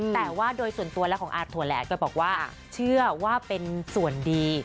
แต่ว่าโดยส่วนตัวและของอาถั่วแหละก็บอกว่าเชื่อว่าเป็นส่วนดี